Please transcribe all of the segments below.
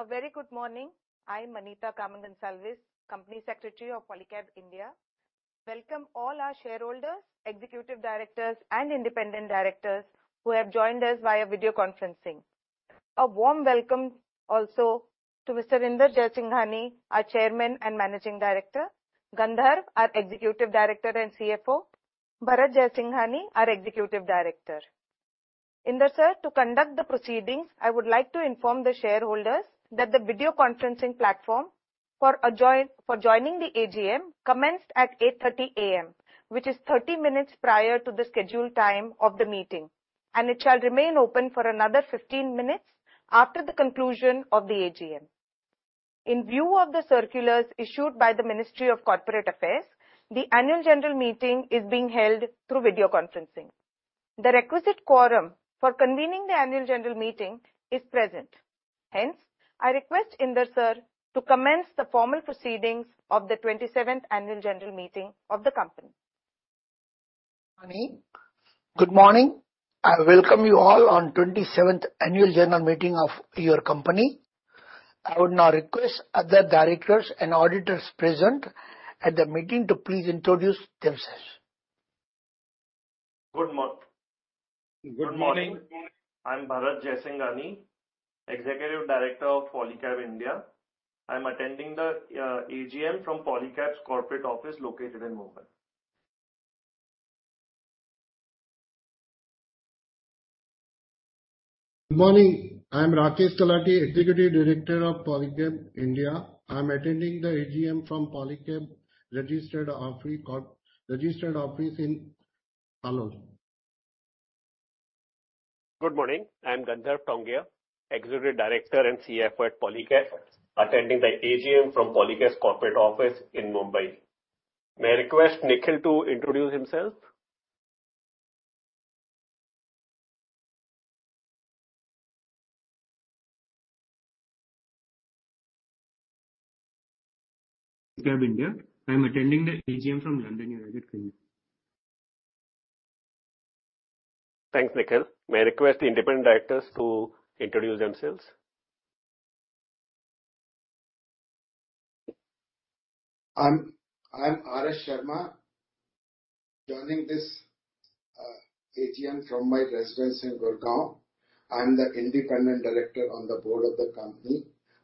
A very good morning. I'm Manita Carmen Gonsalves, Company Secretary of Polycab India. Welcome all our Shareholders, Executive Directors, and Independent Directors who have joined us via video conferencing. A warm welcome also to Mr. Inder Jaisinghani, our Chairman and Managing Director, Gandharv, our Executive Director and CFO, and Bharat Jaisinghani, our Executive Director. Inder sir, to conduct the proceedings, I would like to inform the shareholders that the video conferencing platform for joining the AGM commenced at 8:30 A.M., which is 30 minutes prior to the scheduled time of the meeting, and it shall remain open for another 15 minutes after the conclusion of the AGM. In view of the circulars issued by the Ministry of Corporate Affairs, the Annual General Meeting is being held through video conferencing. The requisite quorum for convening the Annual General Meeting is present. Hence, I request Inder Sir to commence the formal proceedings of the 27th Annual General Meeting of the company. Good morning. I welcome you all on the 27th Annual General Meeting of your company. I would now request other directors and auditors present at the meeting to please introduce themselves. Good morning. Good morning. I'm Bharat Jaisinghani, Executive Director of Polycab India. I'm attending the AGM from Polycab's corporate office located in Mumbai. Good morning. I'm Rakesh Talati, Executive Director of Polycab India. I'm attending the AGM from Polycab's registered office in Airoli. Good morning. I'm Gandharv Tongia, Executive Director and CFO at Polycab, attending the AGM from Polycab's corporate office in Mumbai. May I request Nikhil to introduce himself? Polycab India. I'm attending the AGM from London, United Kingdom. Thanks, Nikhil. May I request the independent directors to introduce themselves? I'm Arash Sharma. Joining this AGM from my residence in Gurgaon. I'm the Independent Director on the board of the company.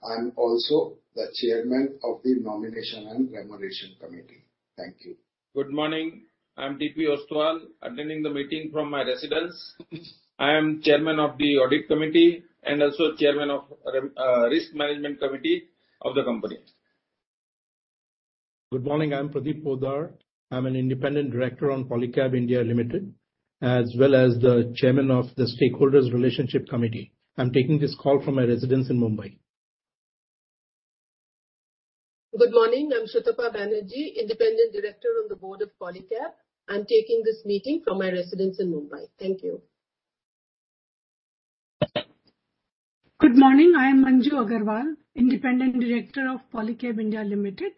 I'm also the Chairman of the Nomination and Remuneration Committee. Thank you. Good morning. I'm T.P. Ostwal, attending the meeting from my residence. I am chairman of the audit committee and also chairman of the risk management committee of the company. Good morning. I'm Pradeep Poddar. I'm an independent director on Polycab India Limited, as well as the Chairman of the Stakeholders' Relationship Committee. I'm taking this call from my residence in Mumbai. Good morning. I'm Sutapa Banerjee, independent director on the board of Polycab. I'm taking this meeting from my residence in Mumbai. Thank you. Good morning. I'm Manju Agarwal, Independent Director of Polycab India Limited.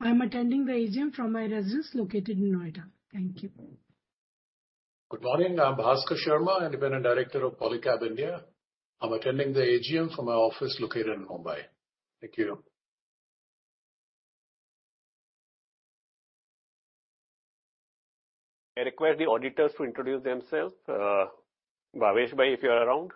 I'm attending the AGM from my residence located in Noida. Thank you. Good morning. I'm Bhaskar Sharma, Independent Director of Polycab India. I'm attending the AGM from my office located in Mumbai. Thank you. May I request the auditors to introduce themselves? Bhaveshbhai, if you are around?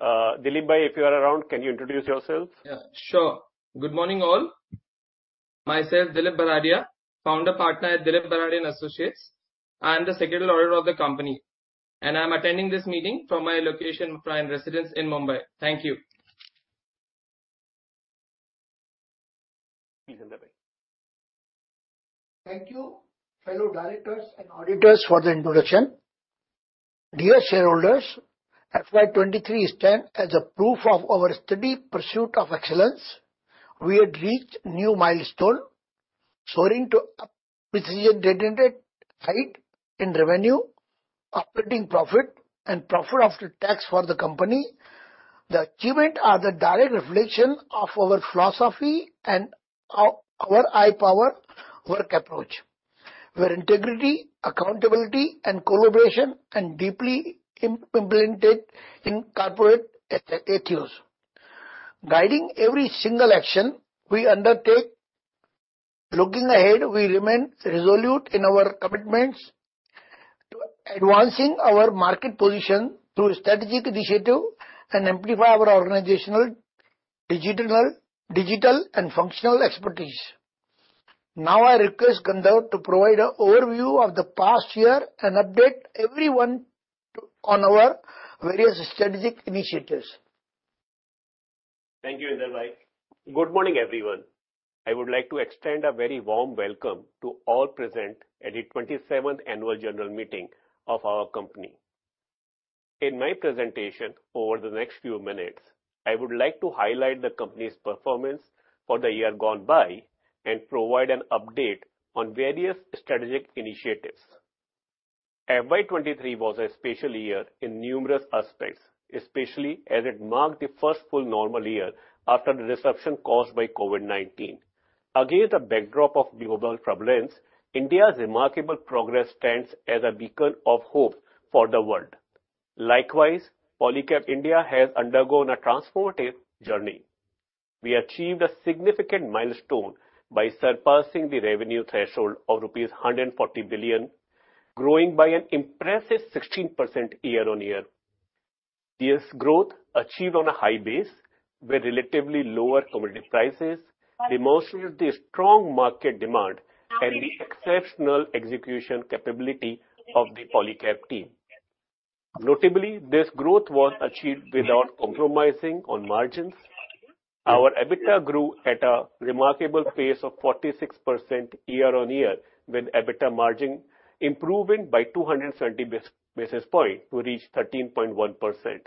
Dilipbhai, if you are around, can you introduce yourself? Yeah, sure. Good morning, all. Myself, Dilip Bharadia, founder partner at Dilip Bharadia & Associates. I'm the secretary of the company, and I'm attending this meeting from my residence in Mumbai. Thank you. Thank you, fellow directors and auditors for the introduction. Dear shareholders, FY 2023 stands as a proof of our steady pursuit of excellence. We had reached a new milestone, soaring to a precision-oriented height in revenue, operating profit, and profit after tax for the company. The achievements are the direct reflection of our philosophy and our high-power work approach, where integrity, accountability, and collaboration are deeply implanted in corporate ethos. Guiding every single action we undertake, looking ahead, we remain resolute in our commitments to advancing our market position through strategic initiatives and amplifying our organizational digital and functional expertise. Now, I request Gandharv to provide an overview of the past year and update everyone on our various strategic initiatives. Thank you, Inder Bhai. Good morning, everyone. I would like to extend a very warm welcome to all present at the 27th Annual General Meeting of our company. In my presentation over the next few minutes, I would like to highlight the company's performance for the year gone by and provide an update on various strategic initiatives. FY 2023 was a special year in numerous aspects, especially as it marked the first full normal year after the disruption caused by COVID-19. Against the backdrop of global turbulence, India's remarkable progress stands as a beacon of hope for the world. Likewise, Polycab India has undergone a transformative journey. We achieved a significant milestone by surpassing the revenue threshold of 140 billion, growing by an impressive 16% year-on-year. This growth, achieved on a high base with relatively lower commodity prices, demonstrates the strong market demand and the exceptional execution capability of the Polycab team. Notably, this growth was achieved without compromising on margins. Our EBITDA grew at a remarkable pace of 46% year-on-year, with EBITDA margin improving by 270 basis points to reach 13.1%.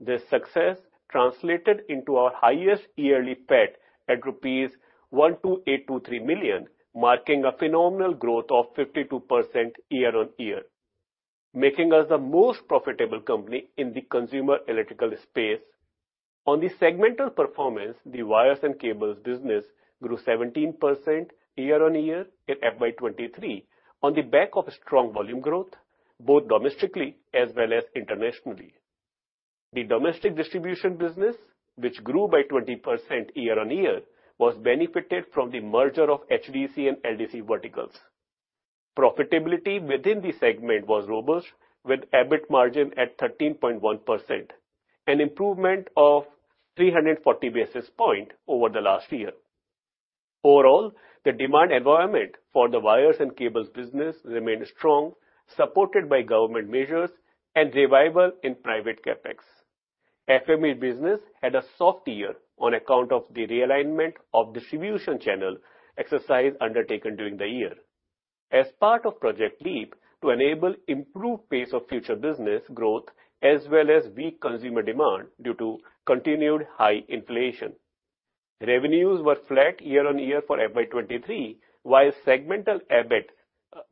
This success translated into our highest yearly PET at rupees 1,282,300,000, marking a phenomenal growth of 52% year-on-year, making us the most profitable company in the consumer electrical space. On the segmental performance, the wires and cables business grew 17% year-on-year in FY 2023 on the back of strong volume growth, both domestically as well as internationally. The domestic distribution business, which grew by 20% year-on-year, was benefited from the merger of HDC and LDC verticals. Profitability within the segment was robust, with EBIT margin at 13.1%, an improvement of 340 basis points over the last year. Overall, the demand environment for the wires and cables business remained strong, supported by government measures and revival in private CapEx. FME business had a soft year on account of the realignment of distribution channel exercises undertaken during the year. As part of Project LEAP, to enable improved pace of future business growth as well as weak consumer demand due to continued high inflation, revenues were flat year-on-year for FY 2023, while segmental EBIT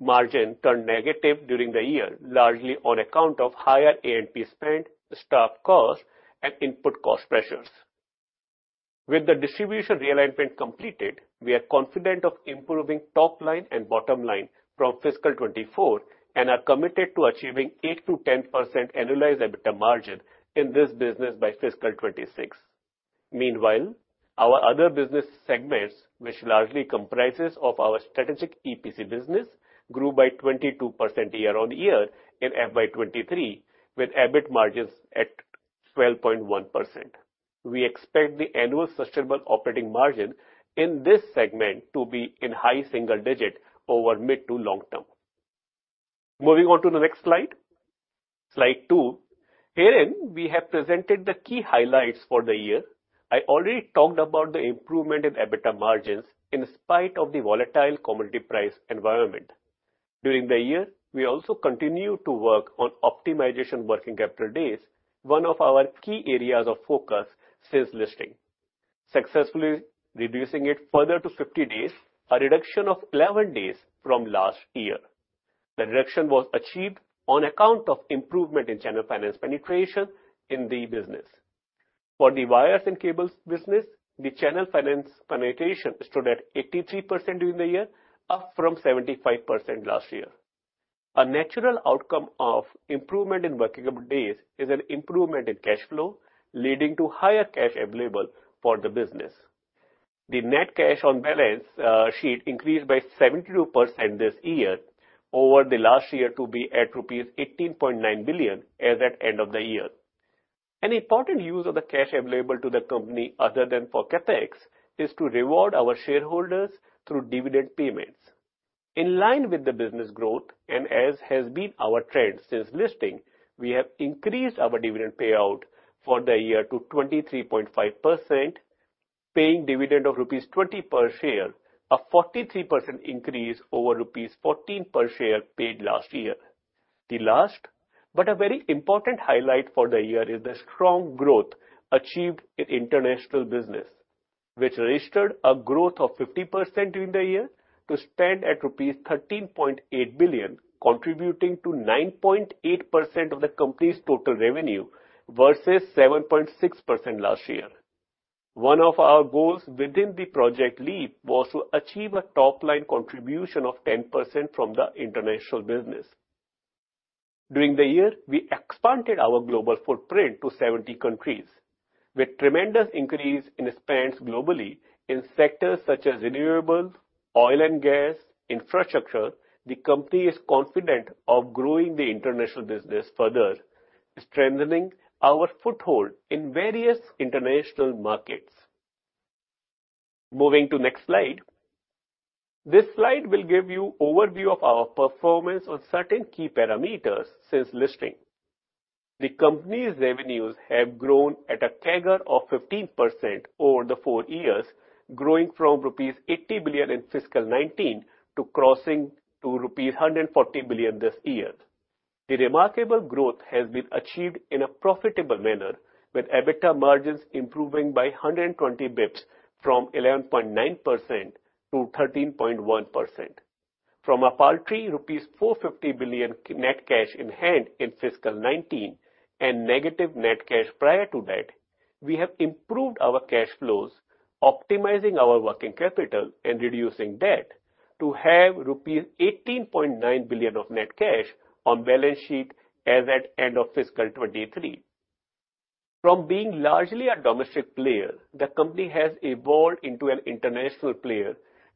margin turned negative during the year, largely on account of higher A&P spend, stock cost, and input cost pressures. With the distribution realignment completed, we are confident of improving top line and bottom line from fiscal 2024 and are committed to achieving 8%-10% annualized EBITDA margin in this business by fiscal 2026. Meanwhile, our other business segments, which largely comprise our strategic EPC business, grew by 22% year-on-year in FY 2023, with EBIT margins at 12.1%. We expect the annual sustainable operating margin in this segment to be in high single digits over mid to long term. Moving on to the next slide, slide two. Herein, we have presented the key highlights for the year. I already talked about the improvement in EBITDA margins in spite of the volatile commodity price environment. During the year, we also continue to work on optimization working capital days, one of our key areas of focus since listing, successfully reducing it further to 50 days, a reduction of 11 days from last year. The reduction was achieved on account of improvement in channel finance penetration in the business. For the wires and cables business, the channel finance penetration stood at 83% during the year, up from 75% last year. A natural outcome of improvement in working capital days is an improvement in cash flow, leading to higher cash available for the business. The net cash on balance sheet increased by 72% this year over the last year to be at rupees 18.9 billion as at end of the year. An important use of the cash available to the company other than for CapEx is to reward our shareholders through dividend payments. In line with the business growth, and as has been our trend since listing, we have increased our dividend payout for the year to 23.5%, paying dividend of rupees 20 per share, a 43% increase over rupees 14 per share paid last year. The last but a very important highlight for the year is the strong growth achieved in international business, which registered a growth of 50% during the year to stand at rupees 13.8 billion, contributing to 9.8% of the company's total revenue versus 7.6% last year. One of our goals within the Project LEAP was to achieve a top line contribution of 10% from the international business. During the year, we expanded our global footprint to 70 countries. With tremendous increase in expense globally in sectors such as renewables, oil and gas, infrastructure, the company is confident of growing the international business further, strengthening our foothold in various international markets. Moving to next slide. This slide will give you an overview of our performance on certain key parameters since listing. The company's revenues have grown at a CAGR of 15% over the four years, growing from rupees 80 billion in fiscal 2019 to crossing to rupees 140 billion this year. The remarkable growth has been achieved in a profitable manner, with EBITDA margins improving by 120 basis points from 11.9% to 13.1%. From a paltry rupees 450 billion net cash in hand in fiscal 2019 and negative net cash prior to that, we have improved our cash flows, optimizing our working capital and reducing debt to have rupees 18.9 billion of net cash on balance sheet as at end of fiscal 2023. From being largely a domestic player, the company has evolved into an international player,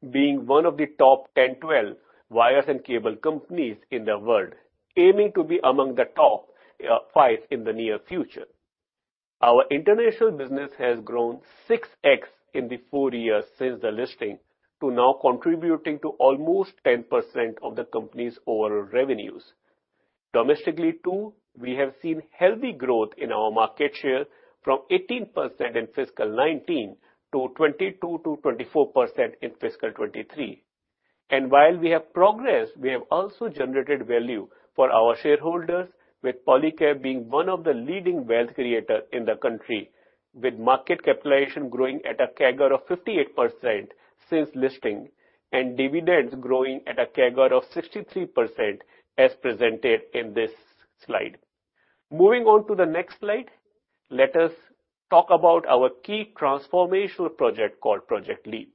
being one of the top 10-12 wires and cable companies in the world, aiming to be among the top five in the near future. Our international business has grown 6x in the four years since the listing to now contributing to almost 10% of the company's overall revenues. Domestically, too, we have seen healthy growth in our market share from 18% in fiscal 2019 to 22% to 24% in fiscal 2023. And while we have progressed, we have also generated value for our shareholders, with Polycab being one of the leading wealth creators in the country, with market capitalization growing at a CAGR of 58% since listing and dividends growing at a CAGR of 63% as presented in this slide. Moving on to the next slide, let us talk about our key transformational project called Project LEAP.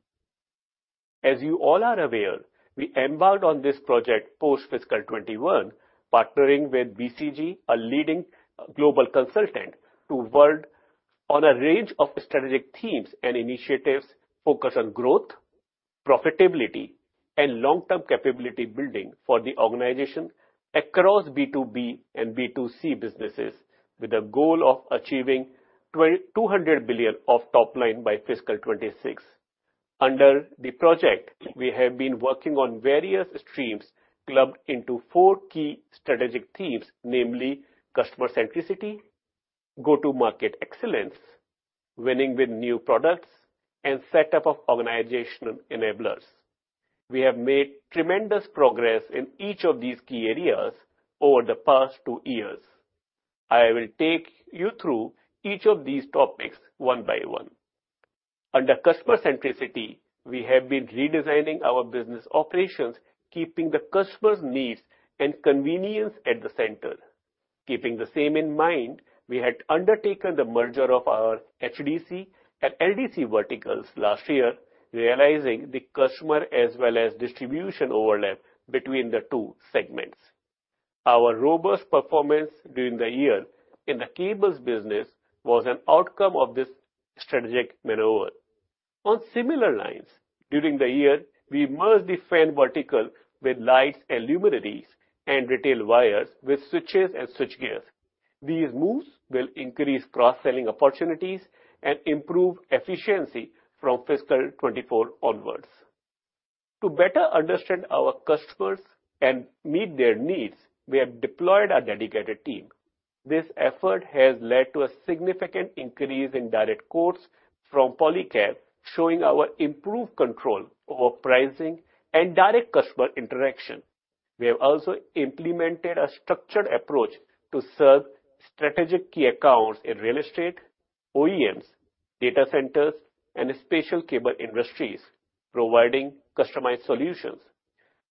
As you all are aware, we embarked on this project post-fiscal 2021, partnering with BCG, a leading global consultant, to work on a range of strategic themes and initiatives focused on growth, profitability, and long-term capability building for the organization across B2B and B2C businesses, with a goal of achieving 200 billion of top line by fiscal 2026. Under the project, we have been working on various streams clubbed into four key strategic themes, namely customer centricity, go-to-market excellence, winning with new products, and setup of organizational enablers. We have made tremendous progress in each of these key areas over the past two years. I will take you through each of these topics one by one. Under customer centricity, we have been redesigning our business operations, keeping the customer's needs and convenience at the center. Keeping the same in mind, we had undertaken the merger of our HDC and LDC verticals last year, realizing the customer as well as distribution overlap between the two segments. Our robust performance during the year in the cables business was an outcome of this strategic maneuver. On similar lines, during the year, we merged the FAN vertical with lights and luminaires and retail wires with switches and switchgears. These moves will increase cross-selling opportunities and improve efficiency from fiscal 24 onwards. To better understand our customers and meet their needs, we have deployed a dedicated team. This effort has led to a significant increase in direct quotes from Polycab, showing our improved control over pricing and direct customer interaction. We have also implemented a structured approach to serve strategic key accounts in real estate, OEMs, data centers, and special cable industries, providing customized solutions.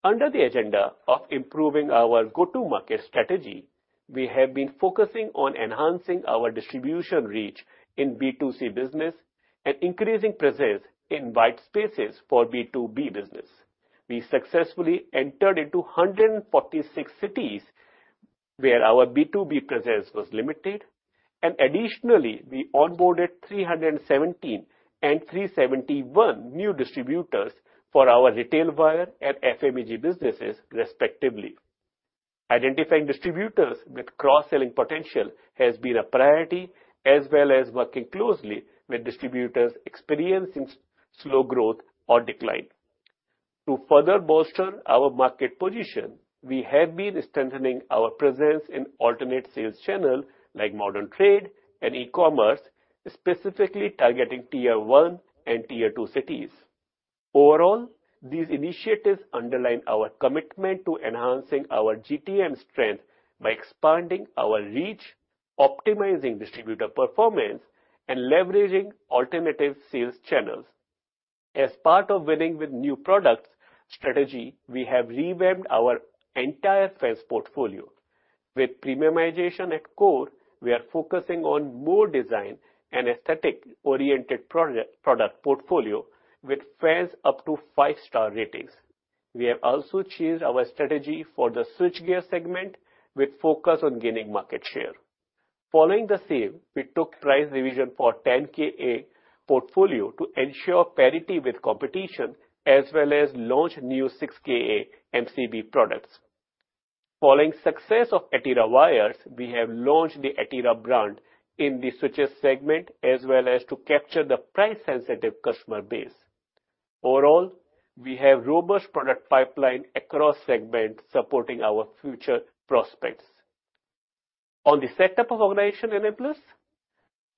Under the agenda of improving our go-to-market strategy, we have been focusing on enhancing our distribution reach in B2C business and increasing presence in white spaces for B2B business. We successfully entered into 146 cities where our B2B presence was limited. And additionally, we onboarded 317 and 371 new distributors for our retail wire and FMEG businesses, respectively. Identifying distributors with cross-selling potential has been a priority, as well as working closely with distributors experiencing slow growth or decline. To further bolster our market position, we have been strengthening our presence in alternate sales channels like modern trade and e-commerce, specifically targeting tier one and tier two cities. Overall, these initiatives underline our commitment to enhancing our GTM strength by expanding our reach, optimizing distributor performance, and leveraging alternative sales channels. As part of winning with new products strategy, we have revamped our entire FANS portfolio. With premiumization at core, we are focusing on more design and aesthetic-oriented product portfolio with FANS up to five-star ratings. We have also changed our strategy for the switchgear segment with focus on gaining market share. Following the sale, we took price revision for 10KA portfolio to ensure parity with competition, as well as launch new 6KA MCB products. Following success of ATIRA Wires, we have launched the ATIRA brand in the switches segment, as well as to capture the price-sensitive customer base. Overall, we have a robust product pipeline across segments supporting our future prospects. On the setup of organization enablers,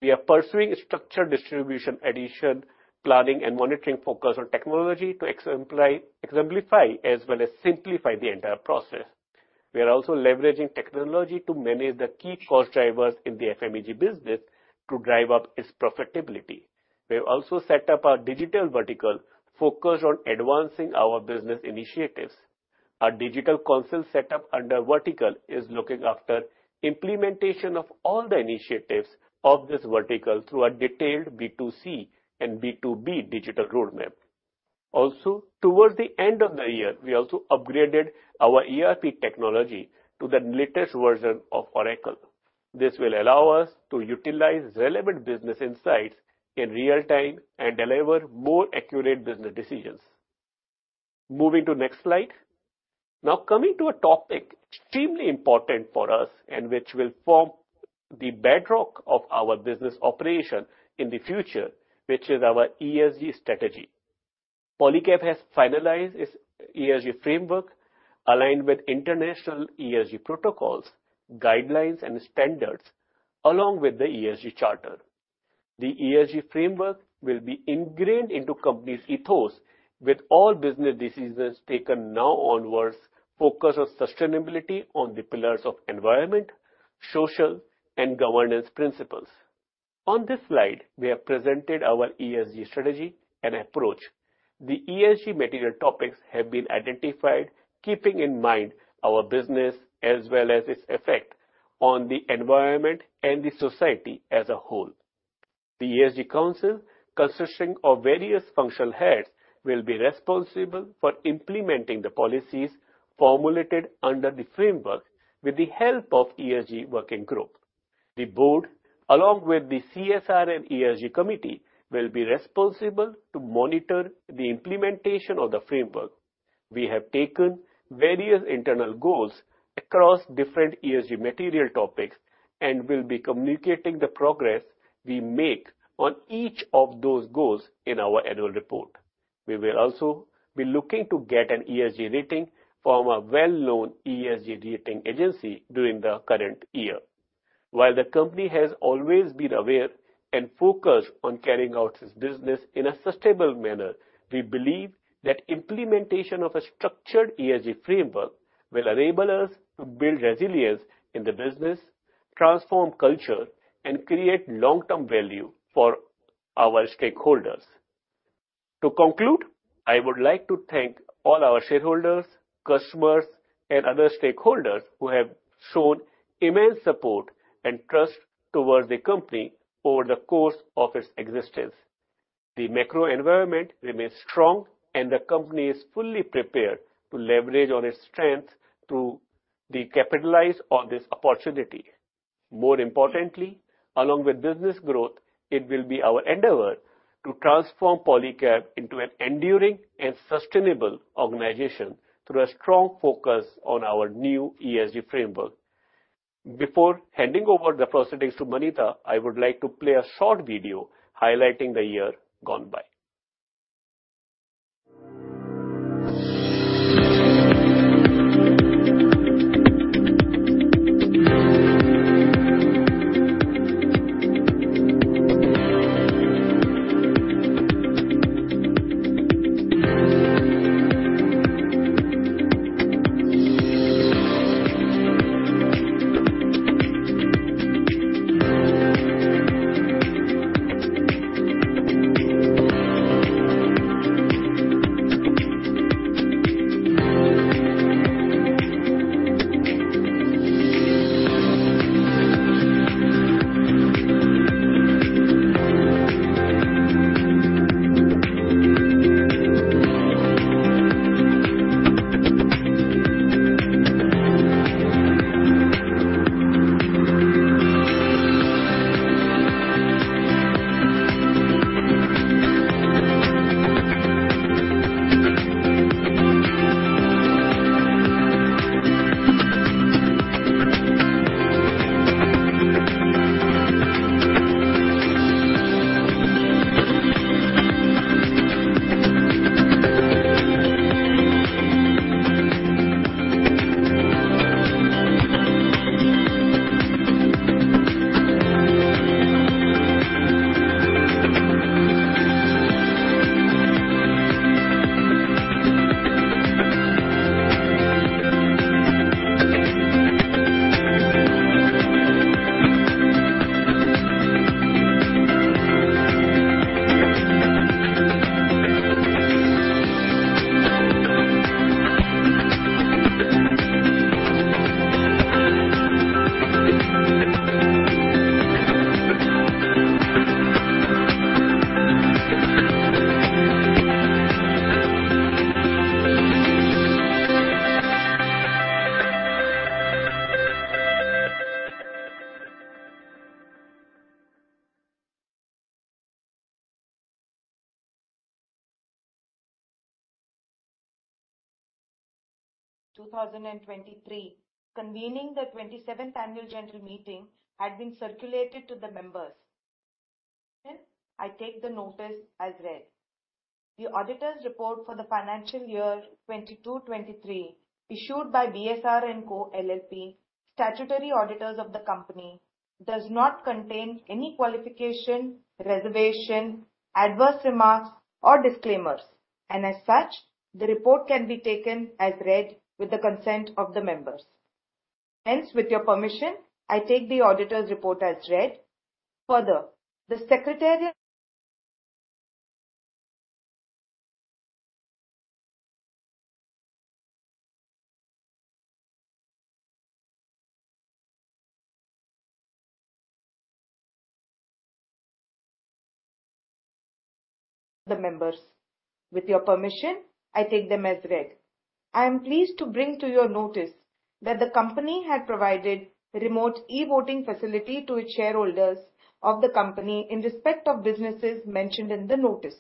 we are pursuing structured distribution addition, planning, and monitoring focus on technology to exemplify as well as simplify the entire process. We are also leveraging technology to manage the key cost drivers in the FMEG business to drive up its profitability. We have also set up our digital vertical focused on advancing our business initiatives. Our digital consult setup under vertical is looking after implementation of all the initiatives of this vertical through a detailed B2C and B2B digital roadmap. Also, towards the end of the year, we also upgraded our ERP technology to the latest version of Oracle. This will allow us to utilize relevant business insights in real time and deliver more accurate business decisions. Moving to next slide. Now coming to a topic extremely important for us and which will form the bedrock of our business operation in the future, which is our ESG strategy. Polycab has finalized its ESG framework aligned with international ESG protocols, guidelines, and standards, along with the ESG charter. The ESG framework will be ingrained into the company's ethos with all business decisions taken now onwards, focusing on sustainability on the pillars of environment, social, and governance principles. On this slide, we have presented our ESG strategy and approach. The ESG material topics have been identified, keeping in mind our business as well as its effect on the environment and the society as a whole. The ESG council, consisting of various functional heads, will be responsible for implementing the policies formulated under the framework with the help of the ESG working group. The board, along with the CSR and ESG committee, will be responsible to monitor the implementation of the framework. We have taken various internal goals across different ESG material topics and will be communicating the progress we make on each of those goals in our annual report. We will also be looking to get an ESG rating from a well-known ESG rating agency during the current year. While the company has always been aware and focused on carrying out its business in a sustainable manner, we believe that the implementation of a structured ESG framework will enable us to build resilience in the business, transform culture, and create long-term value for our stakeholders. To conclude, I would like to thank all our shareholders, customers, and other stakeholders who have shown immense support and trust towards the company over the course of its existence. The macro environment remains strong, and the company is fully prepared to leverage its strengths to capitalize on this opportunity. More importantly, along with business growth, it will be our endeavor to transform Polycab into an enduring and sustainable organization through a strong focus on our new ESG framework. Before handing over the proceedings to Manitha, I would like to play a short video highlighting the year gone by. Convening the 27th Annual General Meeting had been circulated to the members. I take the notice as read. The auditor's report for the financial year 2022-2023, issued by BSR & Co., LLP, statutory auditors of the company, does not contain any qualification, reservation, adverse remarks, or disclaimers. And as such, the report can be taken as read with the consent of the members. Hence, with your permission, I take the auditor's report as read. Further, the secretariat of the members, with your permission, I take them as read. I am pleased to bring to your notice that the company had provided a remote e-voting facility to its shareholders of the company in respect of businesses mentioned in the notice.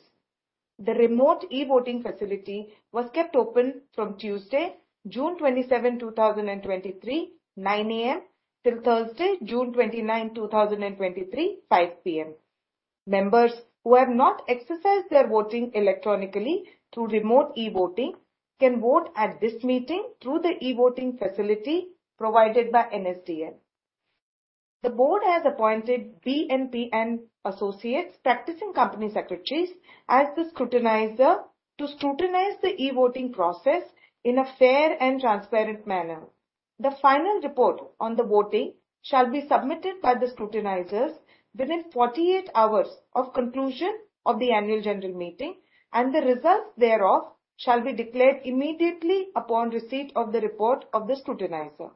The remote e-voting facility was kept open from Tuesday, June 27, 2023, 9:00 A.M., till Thursday, June 29, 2023, 5:00 P.M. Members who have not exercised their voting electronically through remote e-voting can vote at this meeting through the e-voting facility provided by NSDL. The board has appointed BNP & Associates practicing company secretaries as the scrutinizer to scrutinize the e-voting process in a fair and transparent manner. The final report on the voting shall be submitted by the scrutinizers within 48 hours of conclusion of the annual general meeting, and the results thereof shall be declared immediately upon receipt of the report of the scrutinizer.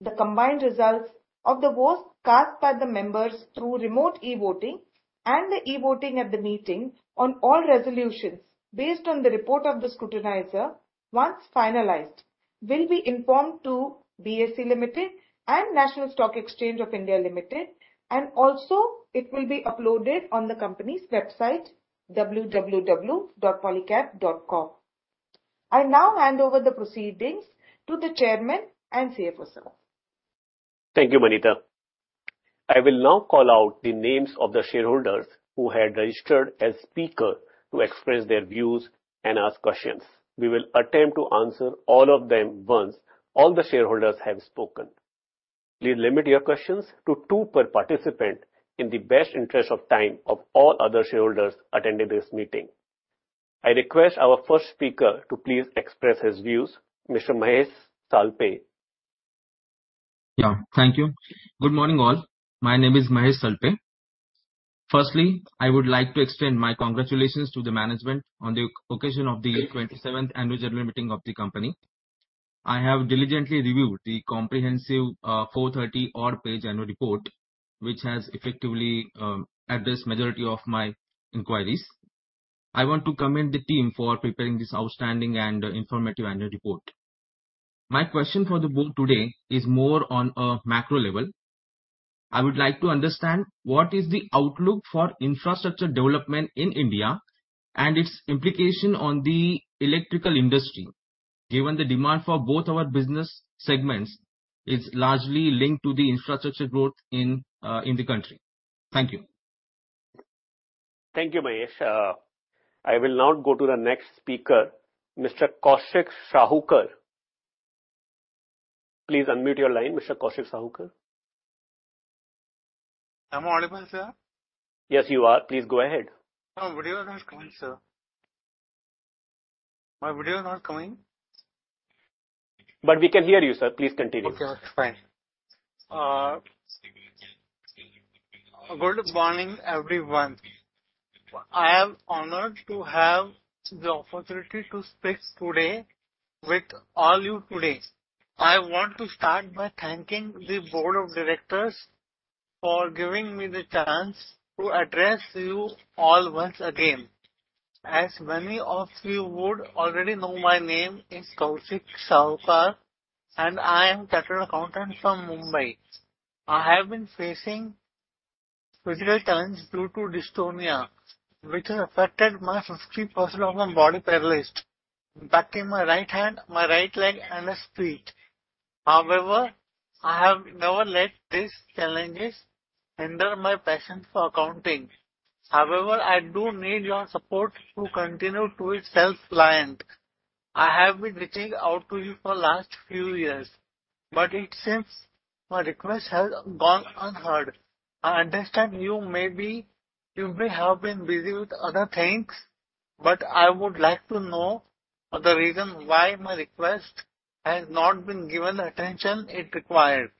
The combined results of the votes cast by the members through remote e-voting and the e-voting at the meeting on all resolutions based on the report of the scrutinizer, once finalized, will be informed to BSE Limited and National Stock Exchange of India Limited, and also it will be uploaded on the company's website, www.polycab.com. I now hand over the proceedings to the Chairman and CFO, sir. Thank you, Manitha. I will now call out the names of the shareholders who had registered as speakers to express their views and ask questions. We will attempt to answer all of them once all the shareholders have spoken. Please limit your questions to two per participant in the best interest of time of all other shareholders attending this meeting. I request our first speaker to please express his views, Mr. Mahesh Salpe. Yeah, thank you. Good morning, all. My name is Mahesh Salpe. Firstly, I would like to extend my congratulations to the management on the occasion of the 27th Annual General Meeting of the company. I have diligently reviewed the comprehensive 430-odd-page annual report, which has effectively addressed the majority of my inquiries. I want to commend the team for preparing this outstanding and informative annual report. My question for the board today is more on a macro level. I would like to understand what is the outlook for infrastructure development in India and its implication on the electrical industry, given the demand for both our business segments is largely linked to the infrastructure growth in the country? Thank you. Thank you, Mahesh. I will now go to the next speaker, Mr. Kaushik Sahukar. Please unmute your line, Mr. Kaushik Sahukar. Am I audible, sir? Yes, you are. Please go ahead. My video is not coming, sir. My video is not coming, but we can hear you, sir. Please continue. Okay, that's fine. Good morning, everyone. I am honored to have the opportunity to speak today with all you today. I want to start by thanking the board of directors for giving me the chance to address you all once again. As many of you would already know, my name is Kaushik Sahukar, and I am a chapter accountant from Mumbai. I have been facing physical challenges due to dystonia, which has affected my 50% of my body paralysis, impacting my right hand, my right leg, and my feet. However, I have never let these challenges hinder my passion for accounting. However, I do need your support to continue to be self-reliant. I have been reaching out to you for the last few years, but it seems my request has gone unheard. I understand you may have been busy with other things, but I would like to know the reason why my request has not been given the attention it required.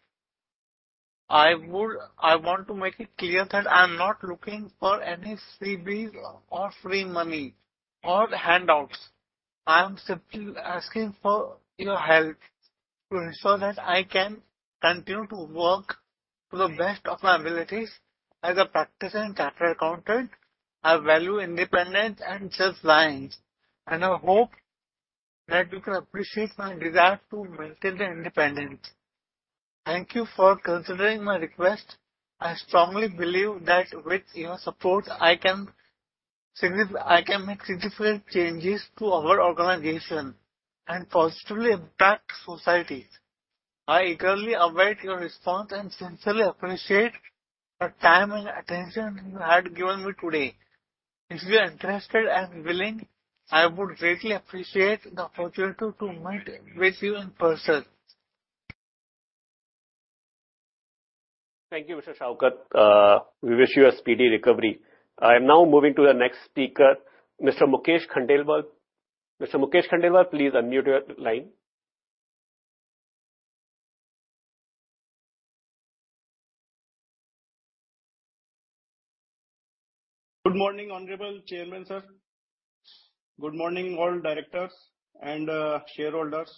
I want to make it clear that I am not looking for any CBs or free money or handouts. I am simply asking for your help to ensure that I can continue to work to the best of my abilities as a practicing chapter accountant. I value independence and self-reliance, and I hope that you can appreciate my desire to maintain the independence. Thank you for considering my request. I strongly believe that with your support, I can make significant changes to our organization and positively impact society. I eagerly await your response and sincerely appreciate the time and attention you have given me today. If you are interested and willing, I would greatly appreciate the opportunity to meet with you in person. Thank you, Mr. Sahukar. We wish you a speedy recovery. I am now moving to the next speaker, Mr. Mukesh Khandelwal. Mr. Mukesh Khandelwal, please unmute your line. Good morning, Honorable Chairman, sir. Good morning, all directors and shareholders.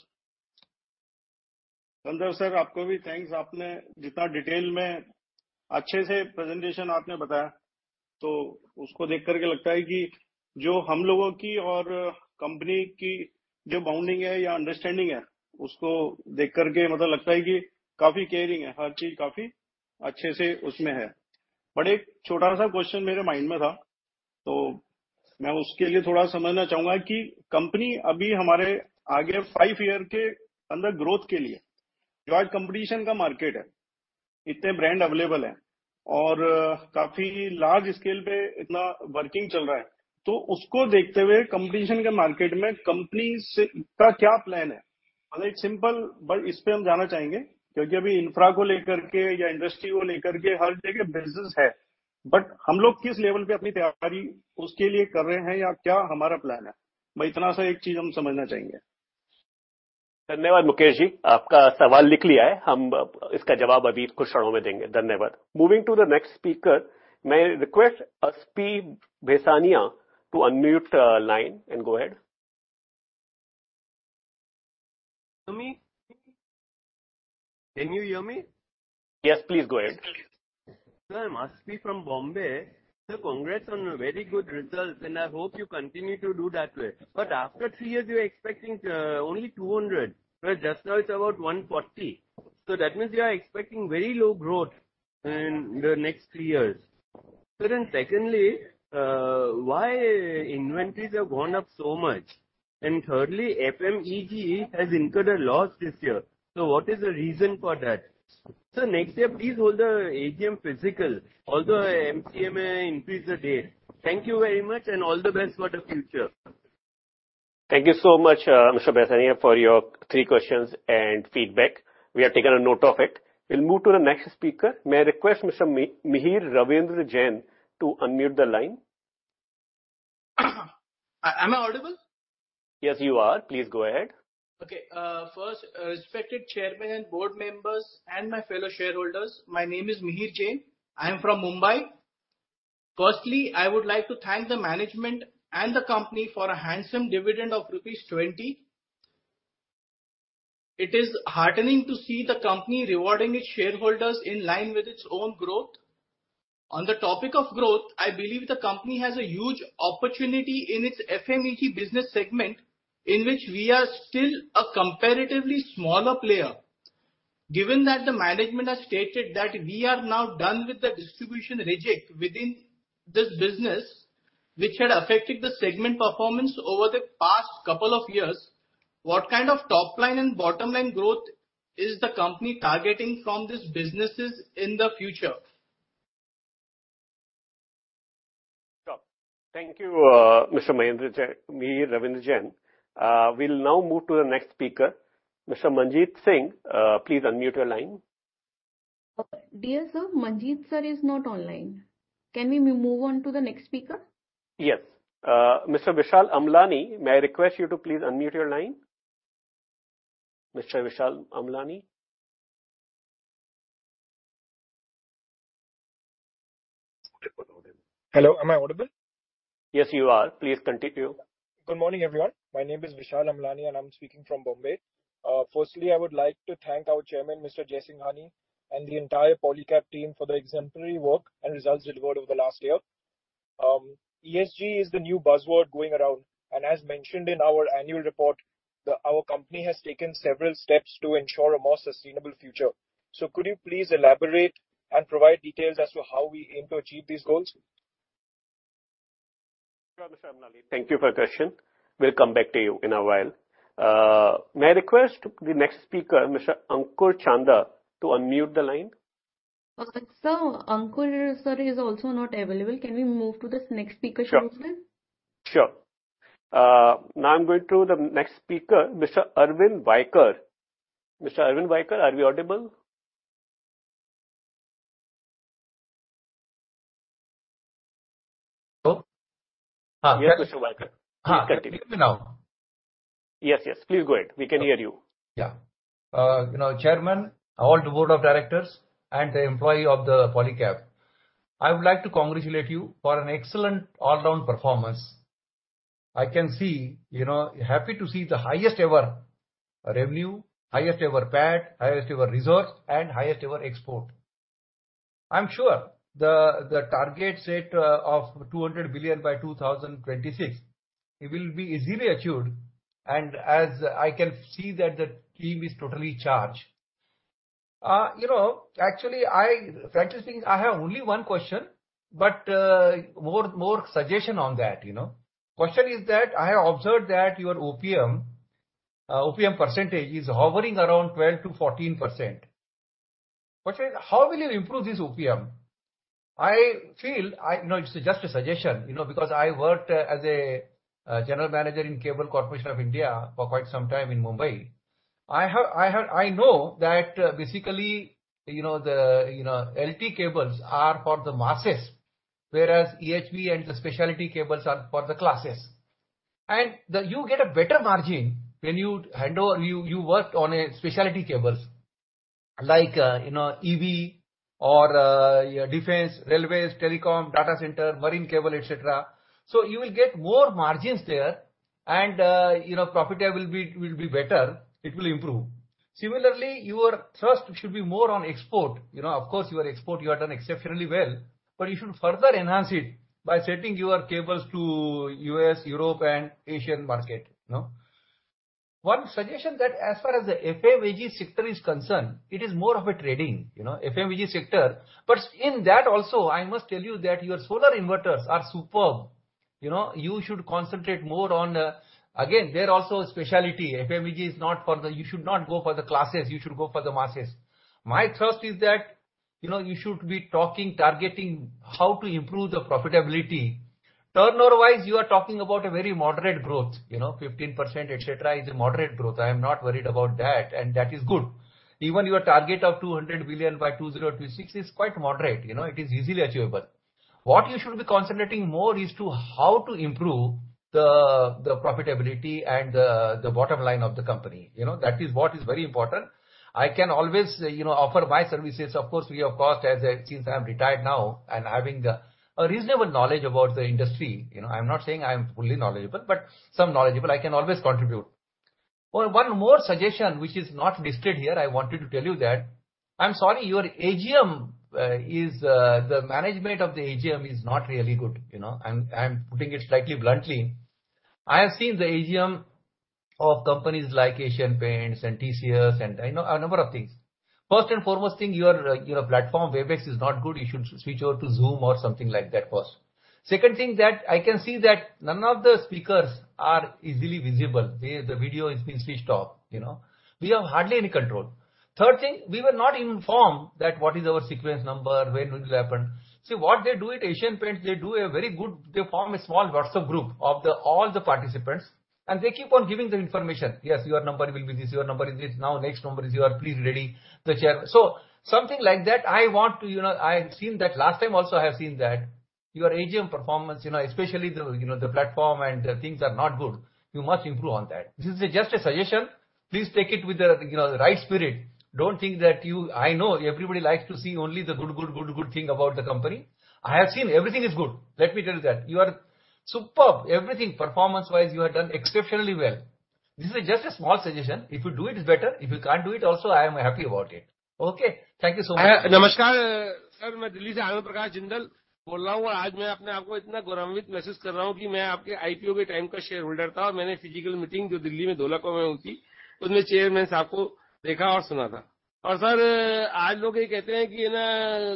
Ranjan sir, आपको भी thanks. आपने जितना detail में अच्छे से presentation आपने बताया, तो उसको देखकर के लगता है कि जो हम लोगों की और company की जो bonding है या understanding है, उसको देखकर के मतलब लगता है कि काफी caring है। हर चीज काफी अच्छे से उसमें है। But एक छोटा सा question मेरे mind में था, तो मैं उसके लिए थोड़ा समझना चाहूंगा कि company अभी हमारे आगे five year के अंदर growth के लिए जो आज competition का market है, इतने brand available हैं और काफी large scale पे इतना working चल रहा है, तो उसको देखते हुए competition के market में company का क्या plan है? मतलब एक simple but इस पे हम जाना चाहेंगे क्योंकि अभी infra को लेकर के या industry को लेकर के हर जगह business है, but हम लोग किस level पे अपनी तैयारी उसके लिए कर रहे हैं या क्या हमारा plan है? मैं इतना सा एक चीज हम समझना चाहेंगे। धन्यवाद, मुकेश जी। आपका सवाल लिख लिया है। हम इसका जवाब अभी कुछ क्षणों में देंगे। धन्यवाद। Moving to the next speaker, may I request Aspi Bhesania to unmute line and go ahead. Can you hear me? Yes, please go ahead. I'm Aspi from Bombay. Sir, congrats on a very good result, and I hope you continue to do that way. But after three years, you're expecting only 200. Just now, it's about 140. So that means you're expecting very low growth in the next three years. Then secondly, why inventories have gone up so much? And thirdly, FMEG has incurred a loss this year. So what is the reason for that? So next year, please hold the AGM physical, although MCMA increased the date. Thank you very much and all the best for the future. Thank you so much, Mr. Bhesaniya, for your three questions and feedback. We have taken a note of it. We'll move to the next speaker. May I request Mr. Mihir Ravendra Jain to unmute the line? Am I audible? Yes, you are. Please go ahead. Okay. First, respected chairman and board members and my fellow shareholders, my name is Mihir Jain. I'm from Mumbai. Firstly, I would like to thank the management and the company for a handsome dividend of rupees 20. It is heartening to see the company rewarding its shareholders in line with its own growth. On the topic of growth, I believe the company has a huge opportunity in its FMEG business segment, in which we are still a comparatively smaller player. Given that the management has stated that we are now done with the distribution reject within this business, which had affected the segment performance over the past couple of years, what kind of top-line and bottom-line growth is the company targeting from these businesses in the future? Thank you, Mr. Mahendra Jain, Mihir Ravendra Jain. We'll now move to the next speaker, Mr. Manjeet Singh. Please unmute your line. Dear sir, Manjeet sir is not online. Can we move on to the next speaker? Yes. Mr. Vishal Amlani, may I request you to please unmute your line? Mr. Vishal Amlani. Hello, am I audible? Yes, you are. Please continue. Good morning, everyone. My name is Vishal Amlani, and I'm speaking from Bombay. Firstly, I would like to thank our chairman, Mr. Inder Jaisinghani, and the entire Polycab team for the exemplary work and results delivered over the last year. ESG is the new buzzword going around, and as mentioned in our annual report, our company has taken several steps to ensure a more sustainable future, so could you please elaborate and provide details as to how we aim to achieve these goals? Thank you for the question. We'll come back to you in a while. May I request the next speaker, Mr. Ankur Chandha, to unmute the line? Sir, Ankur sir is also not available. Can we move to this next speaker shortly? Sure. Now I'm going to the next speaker, Mr. Arvind Vaykar. Mr. Arvind Vaykar, are we audible? Hello? Yes, Mr. Vaykar. Please continue. Can you hear me now? Yes, yes. Please go ahead. We can hear you. Yeah. You know, Chairman, all the board of directors, and the employee of the Polycab, I would like to congratulate you for an excellent all-round performance. I can see, you know, happy to see the highest-ever revenue, highest-ever PAT, highest-ever reserves, and highest-ever export. I'm sure the target set of 200 billion by 2026 it will be easily achieved, and as I can see that the team is totally charged. You know, actually, frankly speaking, I have only one question, but more suggestions on that. You know, the question is that I have observed that your OPM percentage is hovering around 12%-14%. The question is, how will you improve this OPM? I feel, you know, it's just a suggestion, you know, because I worked as a general manager in Cable Corporation of India for quite some time in Mumbai. I know that basically, you know, the LT cables are for the masses, whereas EHV and the specialty cables are for the classes. And you get a better margin when you hand over. You work on specialty cables like, you know, EV or defense, railways, telecom, data center, marine cable, etc. So you will get more margins there, and you know, profitability will be better. It will improve. Similarly, your thrust should be more on export. You know, of course, your export, you have done exceptionally well, but you should further enhance it by selling your cables to the U.S., Europe, and Asian market. One suggestion that as far as the FMEG sector is concerned, it is more of a trading, you know, FMEG sector. But in that also, I must tell you that your solar inverters are superb. You know, you should concentrate more on, again, they're also a specialty. FMEG is not for the, you should not go for the classes. You should go for the masses. My thrust is that, you know, you should be talking, targeting how to improve the profitability. Turnover-wise, you are talking about a very moderate growth. You know, 15%, etc. is a moderate growth. I am not worried about that, and that is good. Even your target of 200 billion by 2026 is quite moderate. You know, it is easily achievable. What you should be concentrating more on is how to improve the profitability and the bottom line of the company. You know, that is what is very important. I can always, you know, offer my services. Of course, at no cost, since I'm retired now and having a reasonable knowledge about the industry. You know, I'm not saying I'm fully knowledgeable, but somewhat knowledgeable. I can always contribute. One more suggestion, which is not listed here. I wanted to tell you that I'm sorry, your AGM, the management of the AGM, is not really good. You know, I'm putting it slightly bluntly. I have seen the AGM of companies like Asian Paints and TCS and, you know, a number of things. First and foremost thing, your platform Webex is not good. You should switch over to Zoom or something like that first. Second thing that I can see that none of the speakers are easily visible. The video has been switched off. You know, we have hardly any control. Third thing, we were not informed that what is our sequence number, when will it happen. See, what they do at Asian Paints, they do a very good, they form a small WhatsApp group of all the participants, and they keep on giving the information. Yes, your number will be this. Your number is this. Now, next number is your, please ready the chair. So something like that, I want to, you know, I have seen that last time also, I have seen that your AGM performance, you know, especially the, you know, the platform and the things are not good. You must improve on that. This is just a suggestion. Please take it with the, you know, the right spirit. Don't think that you, I know everybody likes to see only the good, good, good, good thing about the company. I have seen everything is good. Let me tell you that you are superb. Everything performance-wise, you have done exceptionally well. This is just a small suggestion. If you do it, it's better. If you can't do it, also, I am happy about it. Okay. Thank you so much. नमस्कार sir, मैं दिल्ली से आनंद प्रकाश जिंदल बोल रहा हूं और आज मैं अपने आप को इतना गौरवित महसूस कर रहा हूं कि मैं आपके आईपीओ के टाइम का शेयर होल्डर था और मैंने फिजिकल मीटिंग जो दिल्ली में ढोलक में हुई थी, उनमें चेयरमैन साहब को देखा और सुना था। और सर, आज लोग ये कहते हैं कि ना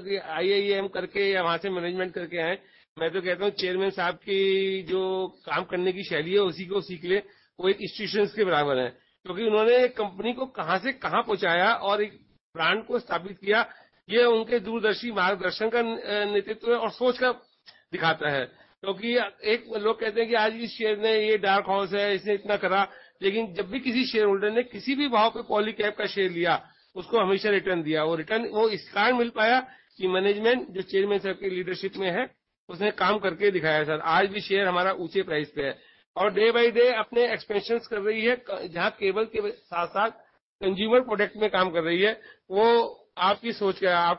कि आईआईएम करके या वहां से मैनेजमेंट करके आए। मैं तो कहता हूं, चेयरमैन साहब की जो काम करने की शैली है, उसी को सीख ले। वो एक इंस्टीट्यूशन के बराबर है क्योंकि उन्होंने एक कंपनी को कहां से कहां पहुंचाया और एक ब्रांड को स्थापित किया। यह उनके दूरदर्शी मार्गदर्शन का नेतृत्व है और सोच का दिखाता है। क्योंकि लोग कहते हैं कि आज इस शेयर ने ये डार्क हॉर्स है, इसने इतना करा। लेकिन जब भी किसी शेयर होल्डर ने किसी भी भाव पे पॉलीकैब का शेयर लिया, उसको हमेशा रिटर्न दिया। वो रिटर्न, वो इस कारण मिल पाया कि मैनेजमेंट जो चेयरमैन साहब के लीडरशिप में है, उसने काम करके दिखाया। सर, आज भी शेयर हमारा ऊंचे प्राइस पे है और डे बाय डे अपने एक्सपें शंस कर रही है। जहां केबल्स के साथ-साथ कंज्यूमर प्रोडक्ट में काम कर रही है, वो आपकी सोच का है।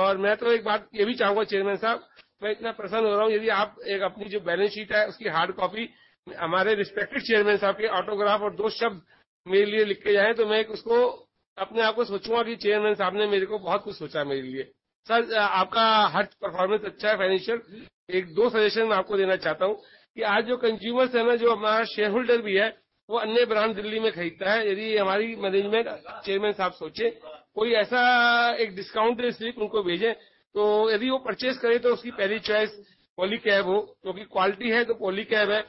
और मैं तो एक बात ये भी चाहूंगा, चेयरमैन साहब, मैं इतना प्रसन्न हो रहा हूं। यदि आप अपनी जो बैलेंस शीट है, उसकी हार्ड कॉपी हमारे रिस्पेक्टेड चेयरमैन साहब के ऑटोग्राफ और दो शब्द मेरे लिए लिख के भेजें, तो मैं उसे अपने पास रखूंगा कि चेयरमैन साहब ने मेरे लिए बहुत कुछ सोचा। सर, आपका हर परफॉर्मेंस अच्छा है। फाइनेंशियल एक दो सजेशन मैं आपको देना चाहता हूं कि आज जो कंज्यूमर्स हैं, जो हमारा शेयर होल्डर भी है, वो अन्य ब्रांड दिल्ली में खरीदता है। यदि हमारी मैनेजमेंट चेयरमैन साहब सोचे, कोई ऐसा एक डिस्काउंट स्लिप उनको भेजे, तो यदि वो परचेस करे, तो उसकी पहली चॉइस पॉलीकैब हो। क्योंकि क्वालिटी है, तो पॉलीकैब है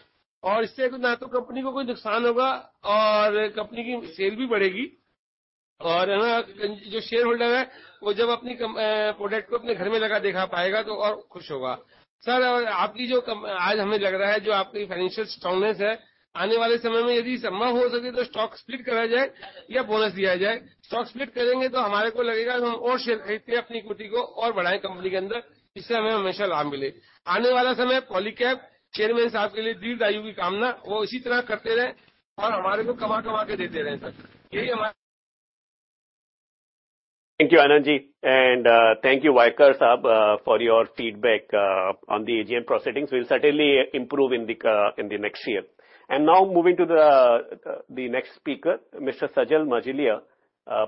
और इससे तो ना तो कंपनी को कोई नुकसान होगा और कंपनी की सेल भी बढ़ेगी। और जो शेयर होल्डर है, वो जब अपनी प्रोडक्ट को अपने घर में लगा दिखा पाएगा, तो और खुश होगा। सर, और आपकी जो आज हमें लग रहा है, जो आपकी फाइनेंशियल स्ट्रांगनेस है, आने वाले समय में यदि संभव हो सके, तो स्टॉक स्प्लिट करा जाए या बोनस दिया जाए। स्टॉक स्प्लिट करेंगे, तो हमे लगेगा हम और शेयर खरीदते हैं, अपनी इक्विटी को और बढ़ाएं कंपनी के अंदर। इससे हमें हमेशा लाभ मिले। आने वाला समय पॉलीकैब चेयरमैन साहब के लिए दीर्घ आयु की कामना। वो इसी तरह करते रहे और हमे कमा कमा के देते रहे। सर, यही हमारा। Thank you Anand Ji and thank you Vaykar Sahab for your feedback on the AGM processing. We will certainly improve in the next year. Now moving to the next speaker, Mr. Sajal Mandalia.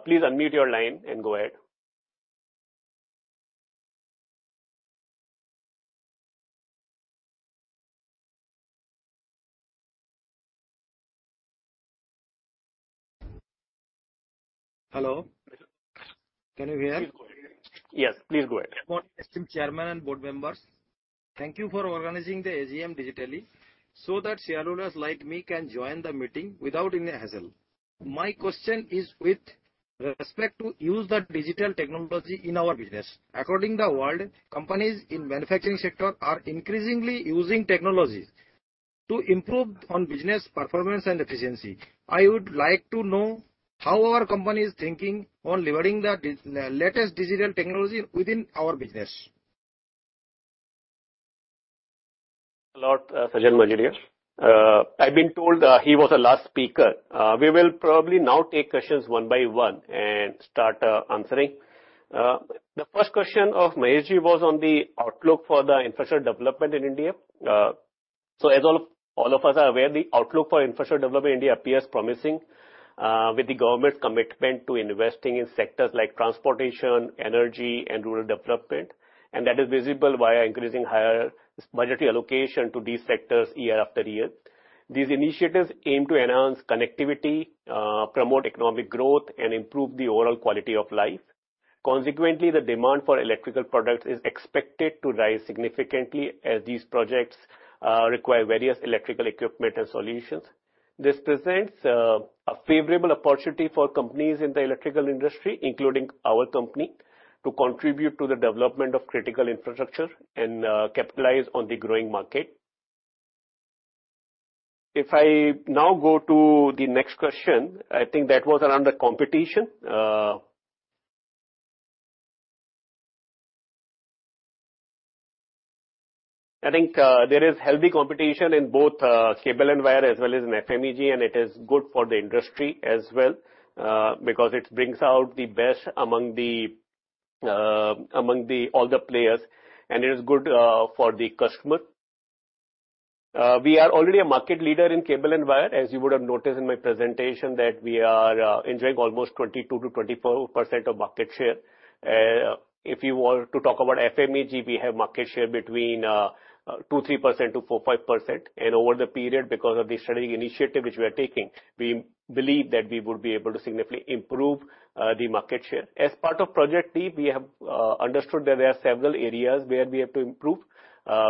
Please unmute your line and go ahead. Hello, can you hear? Please go ahead. Yes, please go ahead. Good morning, esteemed Chairman and Board members. Thank you for organizing the AGM digitally, so that shareholders like me can join the meeting without any hassle. My question is with respect to use of digital technology in our business. According to the world, companies in manufacturing sector are increasingly using technology to improve on business performance and efficiency. I would like to know how our company is thinking on leveraging the latest digital technology within our business. Lot Sajal Majalia, I been told he was a last speaker. We will probably now take questions one by one and start answering. The first question of Mahesh Ji was on the outlook for the infrastructure development in India. So, as all of all of us are aware, the outlook for infrastructure development India appears promising with the government commitment to investing in sectors like transportation, energy and rural development. And that is visible via increasing higher budgetary allocation to these sectors year after year. These initiatives aim to enhance connectivity, promote economic growth and improve the overall quality of life. Consequently, the demand for electrical products is expected to rise significantly as these projects require various electrical equipment and solutions. This presents a favorable opportunity for companies in the electrical industry, including our company, to contribute to the development of critical infrastructure and capitalize on the growing market. If I now go to the next question, I think that was around the competition. I think there is healthy competition in both cable and wire as well as in FMEG, and it is good for the industry as well, because it brings out the best among the among the all the players, and it is good for the customer. We are already a market leader in cable and wire, as you would have noticed in my presentation that we are enjoying almost 22%-24% of market share. If you want to talk about FMEG, we have market share between 2% to 4.5%. And over the period, because of the strategic initiatives which we are taking, we believe that we would be able to significantly improve the market share. As part of Project T, we have understood that there are several areas where we have to improve.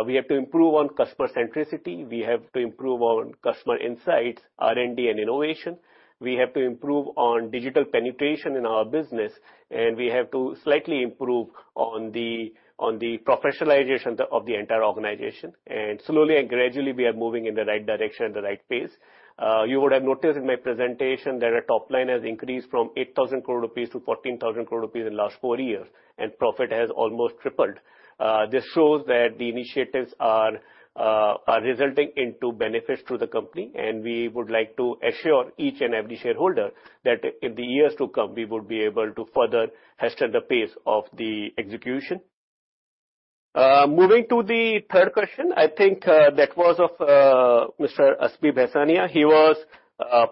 We have to improve on customer centricity. We have to improve on customer insights, R and D and innovation. We have to improve on digital penetration in our business, and we have to slightly improve on the on the professionalization of the entire organization. And slowly and gradually, we are moving in the right direction and the right phase. You would have noticed in my presentation that a top line has increased from ₹8,000 crore to ₹14,000 crore in last four years, and profit has almost tripled. This shows that the initiatives are are resulting into benefits to the company, and we would like to assure each and every shareholder that in the years to come, we would be able to further hasten the pace of the execution. Moving to the third question, I think that was of Mister Asbi Baisania. He was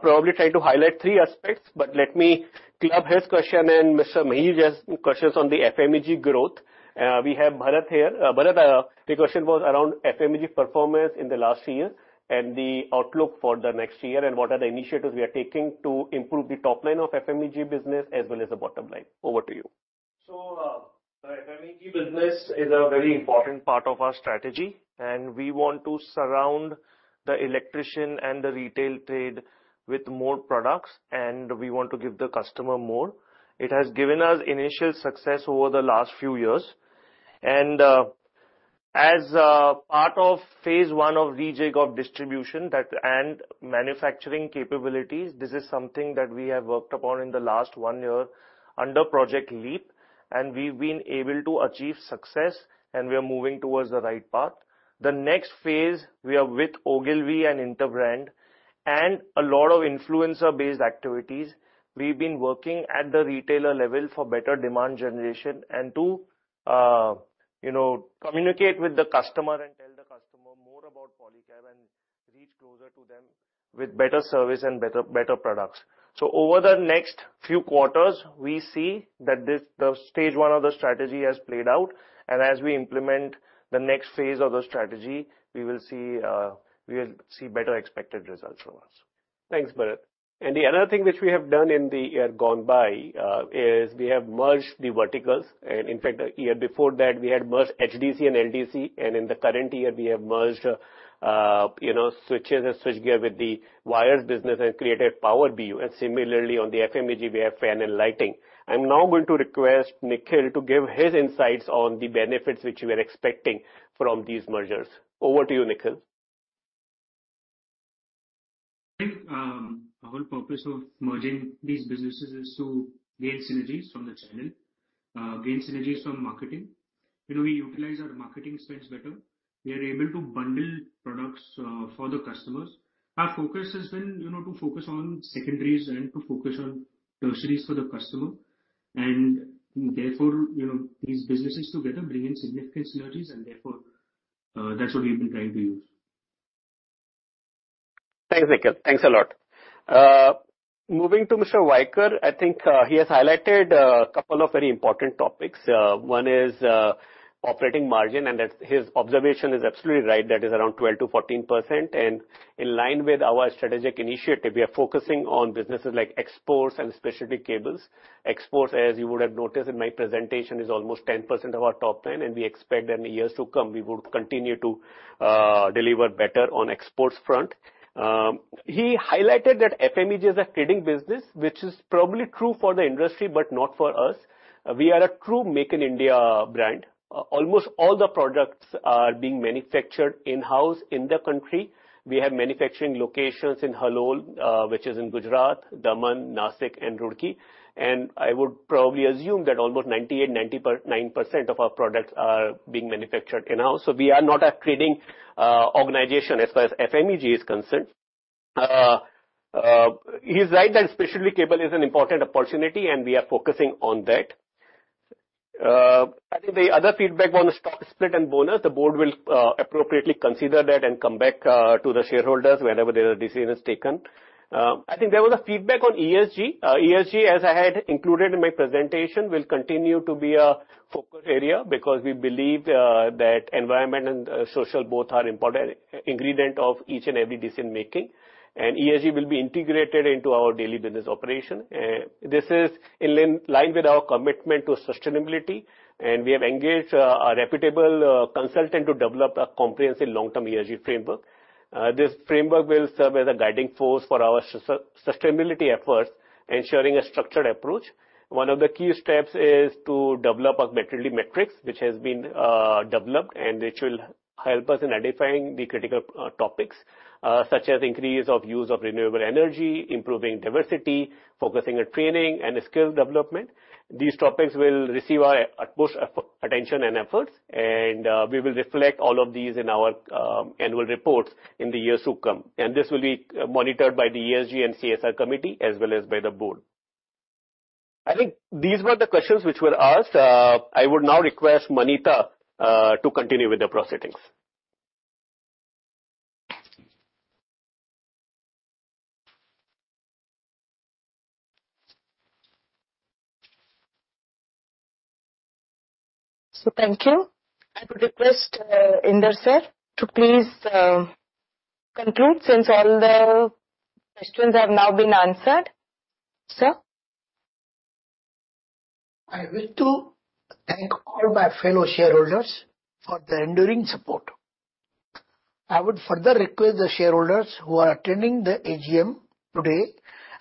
probably trying to highlight three aspects, but let me club his question and Mister Mahesh Jaj questions on the FMEG growth. We have Bharat here. Bharat, the question was around FMEG performance in the last year and the outlook for the next year, and what are the initiatives we are taking to improve the top line of FMEG business as well as the bottom line. Over to you. So, the FMEG business is a very important part of our strategy, and we want to surround the electrician and the retail trade with more products, and we want to give the customer more. It has given us initial success over the last few years, and as a part of Phase I of digitization of distribution, that and manufacturing capabilities. This is something that we have worked upon in the last one year under Project Leap, and we have been able to achieve success, and we are moving towards the right path. The next phase, we are with Ogilvy and Interbrand, and a lot of influencer based activities. We have been working at the retailer level for better demand generation, and to, a you know, communicate with the customer and tell the customer more about Polycab and reach closer to them with better service and better better products. So, over the next few quarters, we see that this the stage one of the strategy has played out, and as we implement the next phase of the strategy, we will see, a we will see better expected results from us. Thanks Bharat. And the other thing which we have done in the year gone by, is we have merged the verticals. And in fact, a year before that, we had merged HDC and LDC, and in the current year, we have merged, a you know, switches and switch gear with the wires business and created power BU. And similarly, on the FMEG, we have fan and lighting. I am now going to request Nikhil to give his insights on the benefits which we are expecting from these mergers. Over to you Nikhil. Thank you. Our purpose of merging these businesses is to gain synergy from the channel, gain synergy from marketing. You know, we utilize our marketing spends better. We are able to bundle products for the customers. Our focus has been, you know, to focus on secondaries and to focus on tertiaries for the customer. And therefore, you know, these businesses together bring in significant synergy. And therefore, that's what we have been trying to use. Thanks Nikhil. Thanks a lot. A moving to Mister Vyakar, I think he has highlighted a couple of very important topics. One is a operating margin, and that his observation is absolutely right. That is around 12%-14%. And in line with our strategic initiatives, we are focusing on businesses like exports and specially cables. Exports, as you would have noticed in my presentation, is almost 10% of our top line. And we expect in years to come, we would continue to a deliver better on exports front. A he highlighted that FMEG is a trading business, which is probably true for the industry, but not for us. We are a true Make in India brand. Almost all the products are being manufactured in house in the country. We have manufacturing locations in Halol, which is in Gujarat, Daman, Nashik and Roorkee. And I would probably assume that almost 98% 99% of our products are being manufactured in house. So, we are not a trading a organization as far as FMEG is concern. A he is right that specially cable is an important opportunity, and we are focusing on that. A I think the other feedback on the stock split and bonus, the board will appropriately consider that and come back to the shareholders whenever there are decisions taken. I think there was a feedback on ESG. ESG, as I had included in my presentation, will continue to be a focus area, because we believe that environment and social both are important ingredient of each and every decision making. And ESG will be integrated into our daily business operation. And this is in line with our commitment to sustainability, and we have engaged a reputable consultant to develop a comprehensive long term ESG framework. This framework will serve as a guiding force for our sustainability efforts, assuring a structured approach. One of the key steps is to develop a materiality metrics, which has been developed, and which will help us in identifying the critical topics, such as increase of use of renewable energy, improving diversity, focusing and training, and skill development. These topics will receive our atom attention and efforts, and we will reflect all of these in our annual reports in the years to come. And this will be monitored by the ESG and CSR committee, as well as by the board. I think these were the questions which were asked. I would now request Manita to continue with the proceedings. So, thank you. I would request Inder Sir to please conclude, since all the questions have now been answer. Sir, I wish to thank all my fellow shareholders for the enduring support. I would further request the shareholders who are attending the AGM today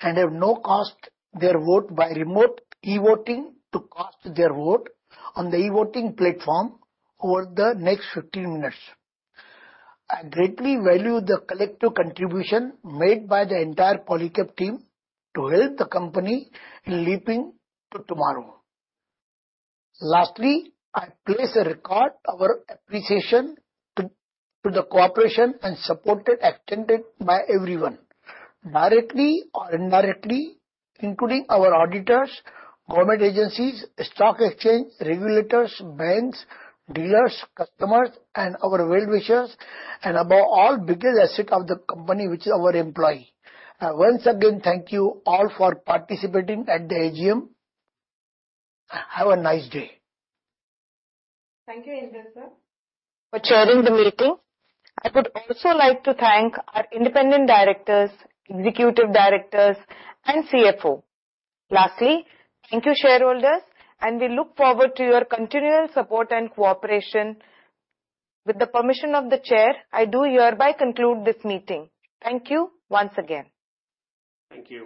and have not cast their vote by remote e-voting to cast their vote on the e-voting platform over the next 15 minutes. I greatly value the collective contribution made by the entire Polycab team to help the company in leaping to tomorrow. Lastly, I place on record our appreciation to the cooperation and support extended by everyone, directly or indirectly, including our auditors, government agencies, stock exchange, regulators, banks, dealers, customers, and our well wishers, and above all biggest asset of the company, which is our employee. Once again, thank you all for participating at the AGM. Have a nice day. Thank you, Inder Sir, for chairing the meeting. I would also like to thank our independent directors, executive directors, and CFO. Lastly, thank you shareholders, and we look forward to your continual support and cooperation. With the permission of the chair, I do hereby conclude this meeting. Thank you once again. Thank you.